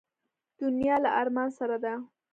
دنیا له ارمان سره ده.